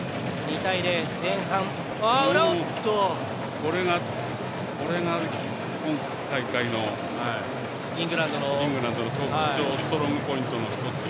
これが今大会のイングランドの特徴、ストロングポイントの１つ。